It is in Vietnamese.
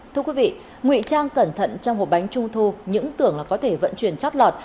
thưa quý vị ngụy trang cẩn thận trong hộp bánh trung thu những tưởng là có thể vận chuyển chót lọt